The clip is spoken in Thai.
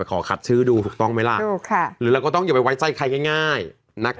ไปขอขัดชื่อดูถูกต้องไหมล่ะดูค่ะหรือเราก็ต้องอย่าไปไว้ใจใครง่ายง่ายนะคะ